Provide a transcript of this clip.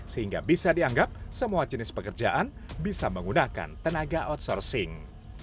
sehingga bisa dianggap semua jenis pekerjaan bisa menggunakan tenaga outsourcing